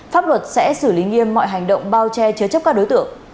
pháp luật sẽ xử lý nghiêm mọi hành động bao che chứa chấp các đối tượng